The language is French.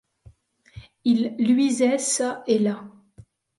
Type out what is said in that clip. Il luisait çà et là.